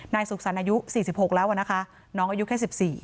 สุขสรรค์อายุ๔๖แล้วนะคะน้องอายุแค่๑๔